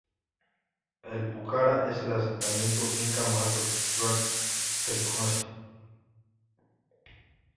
El pucará es el asentamiento inca más austral que se conoce.